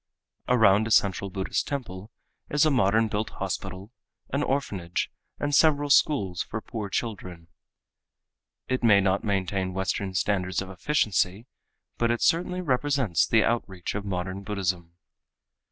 Around a central Buddhist temple is a modern built hospital, an orphanage and several schools for poor children. It may not maintain western standards of efficiency, but it certainly represents the outreach of modern Buddhism.